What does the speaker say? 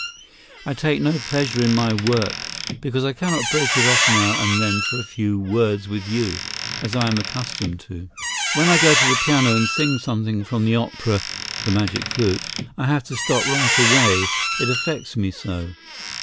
I take no pleasure in my work, because I cannot break it off now and then for a few words with you, as I am accustomed to. When I go to the piano and sing something from the opera ["The Magic Flute"], I have to stop right away, it affects me so.